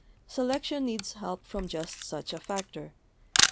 Selection needs help from just such a factor.